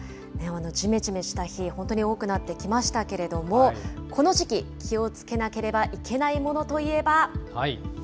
じめじめした日、本当に多くなってきましたけれども、この時期、気をつけなければいけないものといえば。